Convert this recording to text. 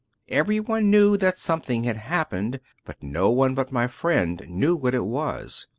Everyone knew that something had happened, but no one but my friend knew what it was.